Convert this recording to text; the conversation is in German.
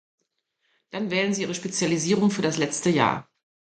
Dann wählen sie ihre Spezialisierung für das letzte Jahr.